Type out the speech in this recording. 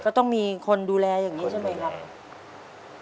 ก็ต้องมีคนดูแลอย่างนี้ใช่ไหมครับ